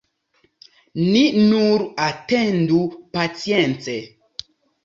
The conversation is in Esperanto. Ni nur atendu pacience!